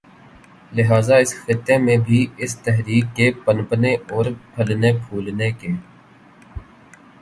لہٰذا اس خطے میں بھی اس تحریک کے پنپنے اور پھلنے پھولنے کے